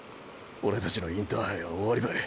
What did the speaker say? オレたちのインターハイは終わりばい！